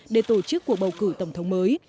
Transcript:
để tổ chức cuộc bầu cử tổng thống mới